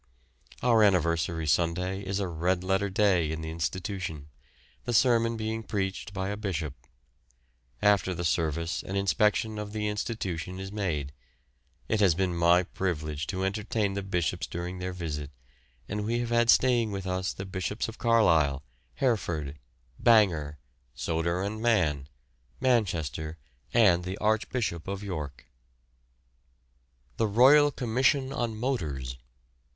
Our anniversary Sunday is a red letter day in the institution, the sermon being preached by a bishop. After the service an inspection of the institution is made. It has been my privilege to entertain the bishops during their visit, and we have had staying with us the Bishops of Carlisle, Hereford, Bangor, Sodor and Man, Manchester, and the Archbishop of York. THE ROYAL COMMISSION ON MOTORS.